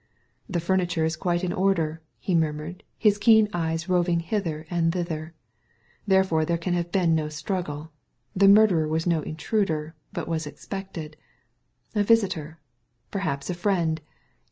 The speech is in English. "The furniture is quite in order," he murmured, his keen eyes roving hither and thither. " Therefore there can have been no struggle. The murderer was no intruder, but was expected. A visitor I perhaps a friend